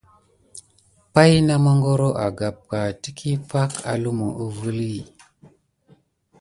Pay na magoro agamka diki pay holumi kivela.